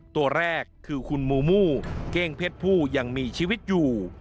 ตัวแรกคือคุณมูมูเก้งเพชรผู้ยังมีชีวิตอยู่